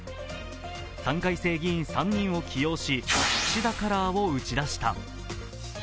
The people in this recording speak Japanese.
３回生議員３人を起用し、岸田カラーを打ち出した。